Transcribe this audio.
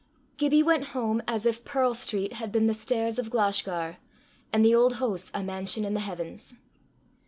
Gibbie went home as if Pearl street had been the stairs of Glashgar, and the Auld Hoose a mansion in the heavens.